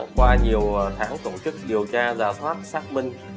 qua nhiều tháng tổ chức điều tra giả soát xác minh